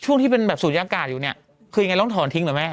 สมมุตินะเขาบอกว่าให้ยกเลิกกฎนะ